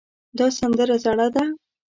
دا سندره زړه ده